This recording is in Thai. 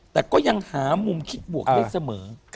แต่ก็ยังหามุมคิดบวกได้เสมอ